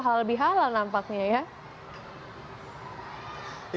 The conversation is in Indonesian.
halal bihalal nampaknya ya